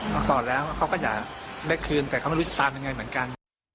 พอสอดแล้วเขาก็อยากได้คืนแต่เขาไม่รู้จะตามยังไงเหมือนกัน